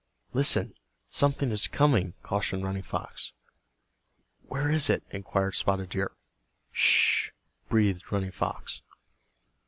"Listen, something is coming," cautioned Running Fox. "Where is it?" inquired Spotted Deer. "Sh," breathed Running Fox.